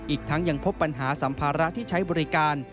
อีกทั้งยังพบปัญหาสัมภาระที่ใช้บริการ